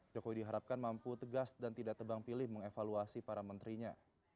jokowi diharapkan mampu tegas dan tidak tebang pilih mengevaluasi para menterinya